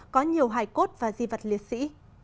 có nhiều hải cốt và di vật liệt sĩ